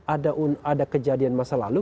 ada kejadian masa lalu